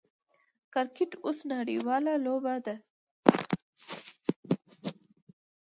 کرکټ اوس نړۍواله لوبه ده.